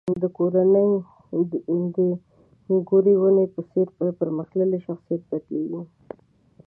د ګورې ونې په څېر په پرمختللي شخصیت بدلېږي.